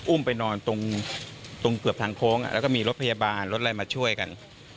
ไปนอนตรงเกือบทางโค้งแล้วก็มีรถพยาบาลรถอะไรมาช่วยกัน